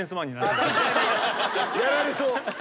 やられそう。